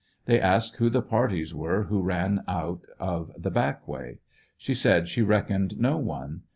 They asked who the parties were who ran out of the back way. She said she reckoned no one.